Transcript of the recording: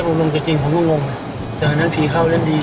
ตอนนั้นมันแรกที่ไป